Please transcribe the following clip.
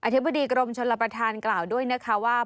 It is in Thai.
อธิบดีอกรมคนรปธานกล่าวด้วยว่า